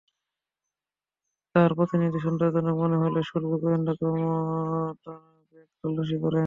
তাঁর গতিবিধি সন্দেহজনক মনে হলে শুল্ক গোয়েন্দা কর্মকর্তারা ব্যাগ তল্লাশি করেন।